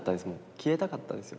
消えたかったですよ